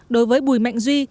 đối với bùi mạnh duy